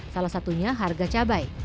salah satunya harga cabai